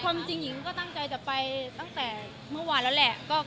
ความจริงหญิงก็ตั้งใจจะไปตั้งแต่เมื่อวานแล้วแหละ